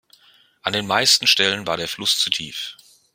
An den meisten Stellen war der Fluss zu tief.